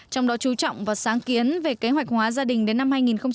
trong đó chú trọng vào sáng kiến về kế hoạch hóa gia đình đến năm hai nghìn hai mươi